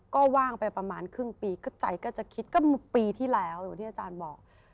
ก็ว่างไปประมาณครึ่งปีก็ใจก็จะคิดก็ปีที่แล้วอย่างที่อาจารย์บอก